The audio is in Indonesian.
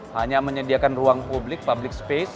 hanya menyediakan ruang publik public space